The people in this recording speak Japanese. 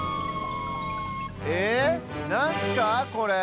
えっなんスかこれ？